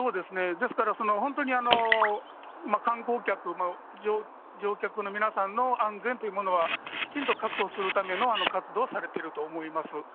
ですから、本当に観光客、乗客の皆さんの安全というものは、きちんと確保するための活動はされていると思います。